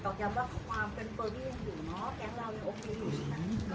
ย้ำว่าความเป็นเบอร์บี้ยังอยู่เนอะแก๊งเรายังโอเคอยู่ใช่ไหม